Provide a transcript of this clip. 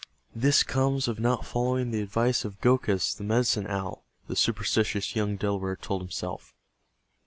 "This comes of not following the advice of Gokhus, the Medicine Owl," the superstitious young Delaware told himself.